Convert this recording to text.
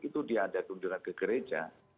itu dia ada di unduran gereja